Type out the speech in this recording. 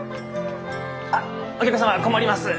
あっお客様困ります。